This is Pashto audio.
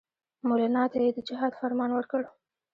مولنا ته یې د جهاد فرمان ورکړ.